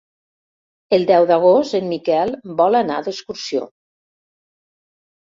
El deu d'agost en Miquel vol anar d'excursió.